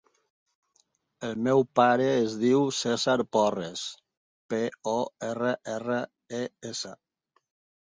El meu pare es diu Cèsar Porres: pe, o, erra, erra, e, essa.